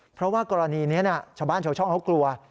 เพราะว่ากรณีนี้ชาวบ้านชาวช่องเขากลัว